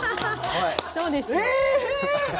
そうですよ。えー！？